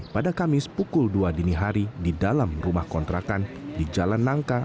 pada kamis pukul dua dini hari di dalam rumah kontrakan di jalan nangka